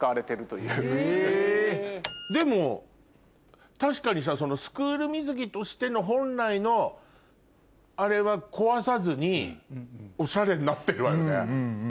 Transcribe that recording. でも確かにさスクール水着としての本来のあれは壊さずにオシャレになってるわよね。